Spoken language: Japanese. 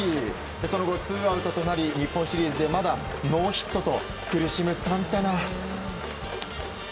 その後、ツーアウトとなり日本シリーズでまだノーヒットと苦しむサンタナ。